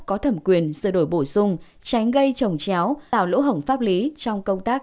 có thẩm quyền sửa đổi bổ sung tránh gây trồng chéo tạo lỗ hổng pháp lý trong công tác